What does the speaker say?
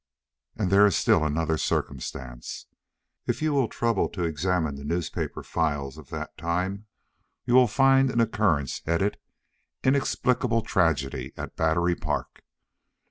And there is still another circumstance. If you will trouble to examine the newspaper files of that time, you will find an occurrence headed "Inexplicable Tragedy at Battery Park."